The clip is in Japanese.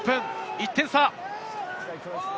１点差。